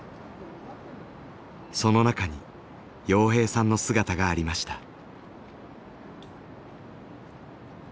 その中に洋平さんの姿がありました。